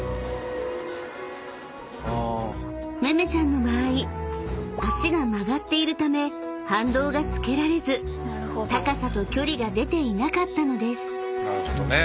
［めめちゃんの場合脚が曲がっているため反動がつけられず高さと距離が出ていなかったのです］